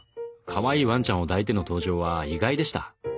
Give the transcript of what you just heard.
かわいいワンちゃんを抱いての登場は意外でした。